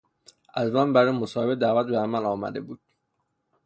از من برای مصاحبه دعوت به عمل آمده بود.